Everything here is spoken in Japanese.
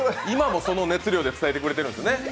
今もその熱量で伝えてくれてるんですね。